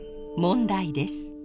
問題です。